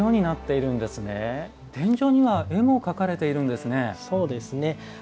天井には絵も描かれているんですね。